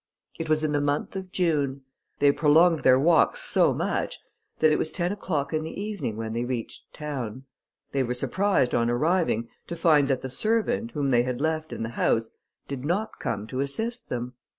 It was in the month of June; they prolonged their walks so much, that it was ten o'clock in the evening when they reached town. They were surprised, on arriving, to find that the servant, whom they had left in the house, did not come to assist them.